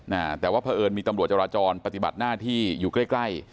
อ่าแต่ว่าเผอิญมีตำรวจจราจรปฏิบัติหน้าที่อยู่ใกล้ใกล้